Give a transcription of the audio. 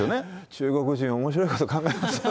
中国人、おもしろいこと考えますよね。